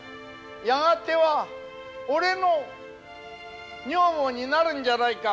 やがては俺の女房になるんじゃないか。